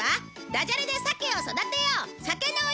ダジャレでサケを育てよう「酒の泳ぐ川」